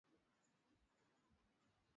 nilijifunza mambo mengi nilipotembelea isimila